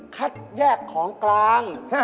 คัดแยกของกลาง